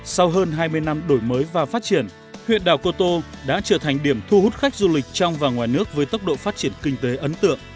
sau hơn hai mươi năm đổi mới và phát triển huyện đảo cô tô đã trở thành điểm thu hút khách du lịch trong và ngoài nước với tốc độ phát triển kinh tế ấn tượng